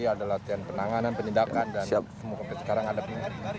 ada latihan penanganan penindakan dan semoga sampai sekarang ada penyelidikan